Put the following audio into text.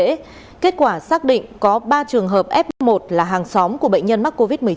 cơ quan chức năng đã xác định có ba trường hợp f một là hàng xóm của bệnh nhân mắc covid một mươi chín